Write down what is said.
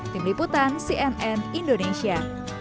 tim liputan cnn indonesia